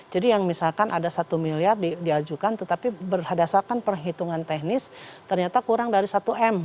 jadi yang misalkan ada satu miliar diajukan tetapi berdasarkan perhitungan teknis ternyata kurang dari satu m